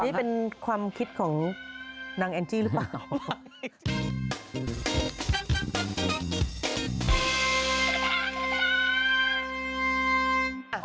นี่เป็นความคิดของนางแอนจี้หรือเปล่า